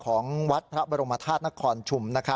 ของวัดพระบรมธาตุนครชุม